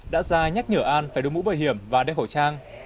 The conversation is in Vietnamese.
đã ra nhắc nhở an phải đối mũ bảo hiểm và đeo khẩu trang